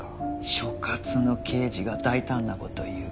所轄の刑事が大胆な事を言う。